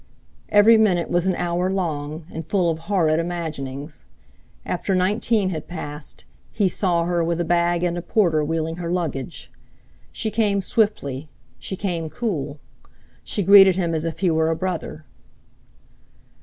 Every minute was an hour long, and full of horrid imaginings. After nineteen had passed, he saw her with a bag and a porter wheeling her luggage. She came swiftly; she came cool. She greeted him as if he were a brother.